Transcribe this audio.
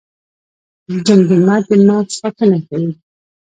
جمجمه د مغز ساتنه کوي